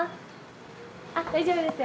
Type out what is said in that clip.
あっ大丈夫ですよ。